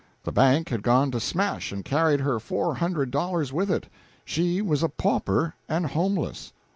The bank had gone to smash and carried her four hundred dollars with it. She was a pauper, and homeless.